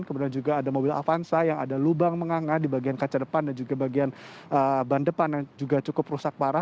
kemudian juga ada mobil avanza yang ada lubang menganga di bagian kaca depan dan juga bagian ban depan yang juga cukup rusak parah